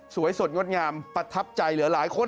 สดงดงามประทับใจเหลือหลายคน